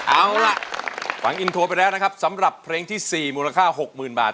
เอาล่ะฟังอินโทรไปแล้วนะครับสำหรับเพลงที่๔มูลค่า๖๐๐๐บาท